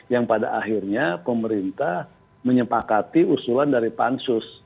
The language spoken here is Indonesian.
yang pada akhirnya pemerintah menyepakati usulan dari pansus